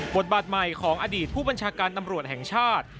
บทบาทใหม่ของอดีตผู้บัญชาการตำรวจแห่งชาติ